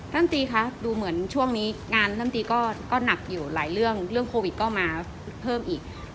ท่านตีคะดูเหมือนช่วงนี้งานท่านตีก็หนักอยู่หลายเรื่องเรื่องโควิดก็มาเพิ่มอีก